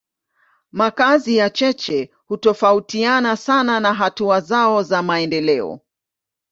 Makazi ya cheche hutofautiana sana na hatua zao za maendeleo.